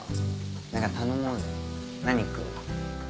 何か頼もうぜ何食う？